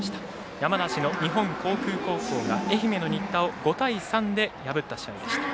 山梨の日本航空高校が愛媛の新田を５対３で破った試合でした。